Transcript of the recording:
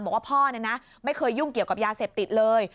บอกว่าพ่อไม่เคยยุ่งเกี่ยวกับยาเสพติดเลย